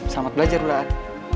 selamat belajar bulan